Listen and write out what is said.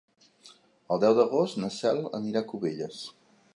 El deu d'agost na Cel anirà a Cubelles.